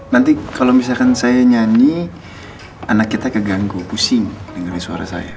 nanti kalau misalkan saya nyanyi anak kita keganggu pusing dengerin suara saya